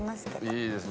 いいです。